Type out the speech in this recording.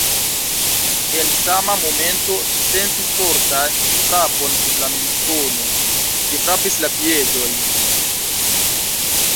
En sama momento ŝi sentis fortan frapon sub la mentono. Ĝi frapis la piedojn!